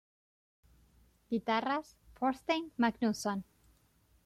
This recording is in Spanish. Guitarras: Þorsteinn Magnússon.